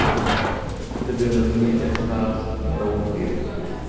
د بې نظمۍ احساس ډارونکی دی.